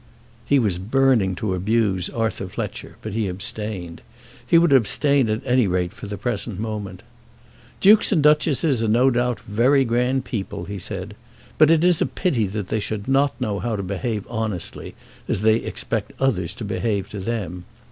He was burning to abuse Arthur Fletcher, but he abstained. He would abstain at any rate for the present moment. "Dukes and duchesses are no doubt very grand people," he said, "but it is a pity they should not know how to behave honestly, as they expect others to behave to them.